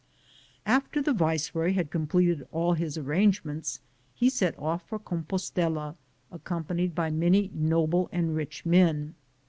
After the viceroy had completed all his arrangements, he set off for Compostola, ac companied by many noble and rich men.